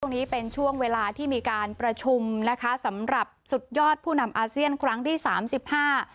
นี้เป็นช่วงเวลาที่มีการประชุมนะคะสำหรับสุดยอดผู้นำอาเซียนครั้งที่สามสิบห้า